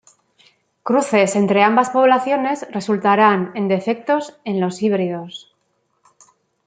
Cruces entre ambas poblaciones resultarán en defectos en los híbridos.